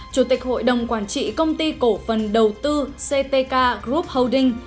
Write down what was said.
chủ tịch hội đồng quản trị công ty cổ phần đầu tư ctk group holding